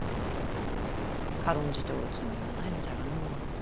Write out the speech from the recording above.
軽んじておるつもりはないのじゃがの。